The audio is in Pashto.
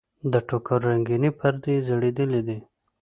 د ټوکر رنګینې پردې یې ځړېدلې دي.